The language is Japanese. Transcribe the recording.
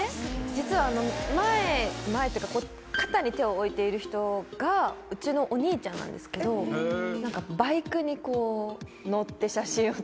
実はあの前前っていうか肩に手を置いている人がうちのお兄ちゃんなんですけど１枚になります